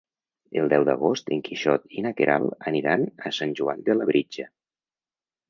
El deu d'agost en Quixot i na Queralt aniran a Sant Joan de Labritja.